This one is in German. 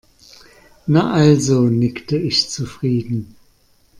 Na also, nickte ich zufrieden.